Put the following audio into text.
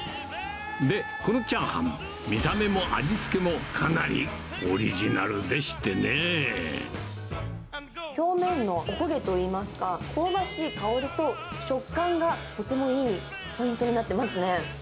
で、このチャーハン、見た目も味表面のおこげといいますか、香ばしい香りと食感がとてもいいポイントになってますね。